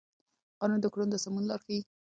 قانون د کړنو د سمون لار ښيي.